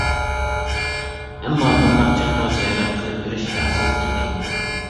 ئەمما، بۇنداق چاغدا زىيارەت قىلىپ بېرىش ئەپسىز ئىدى.